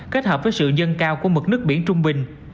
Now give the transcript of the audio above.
kết hợp với sự dân cao của mực nước biển trung bình